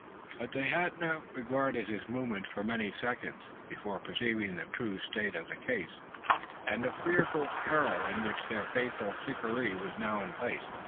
But they had not regarded his movements for many seconds, before perceiving the true state of the case, and the fearful peril in which their faithful shikaree was now placed.